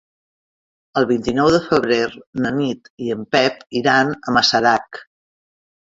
El vint-i-nou de febrer na Nit i en Pep iran a Masarac.